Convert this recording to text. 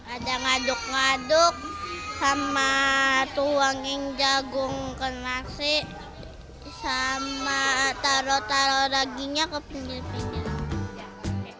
ada ngaduk ngaduk sama tuangin jagung ke nasi sama taruh taruh dagingnya ke pinggir pinggir